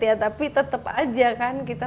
ya tapi tetap aja kan kita